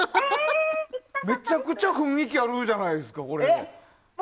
めちゃくちゃ雰囲気あるじゃないですか。